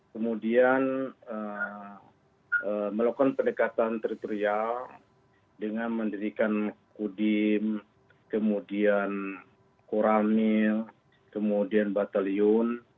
kemudian melakukan pendekatan teritorial dengan mendirikan kodim kemudian koramil kemudian batalion